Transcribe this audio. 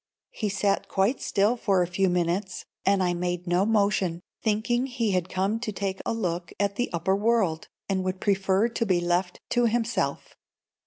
He sat quite still for a few minutes, and I made no motion, thinking he had come to take a look at the upper world, and would prefer to be left to himself.